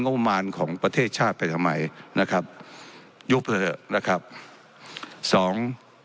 ประมาณของประเทศชาติไปทำไมนะครับยุบเถอะนะครับสอง